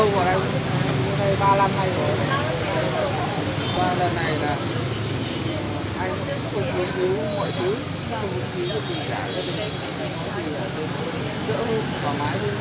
qua lần này là anh không hiểu mọi thứ